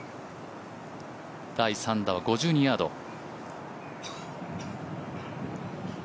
第３打は５２ヤード。